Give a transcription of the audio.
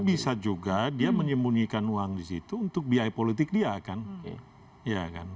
bisa juga dia menyembunyikan uang di situ untuk biaya politik dia kan